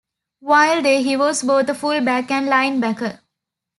While there, he was both a fullback and linebacker.